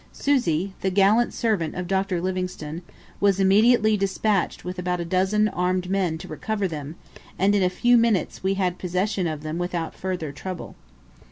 Susi, the gallant servant of Dr. Livingstone, was immediately despatched with about a dozen armed men to recover them, and in a few minutes we had possession of them without further trouble.